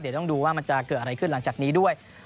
เดี๋ยวต้องดูว่ามันจะเกิดอะไรขึ้นหลังจากนี้ด้วย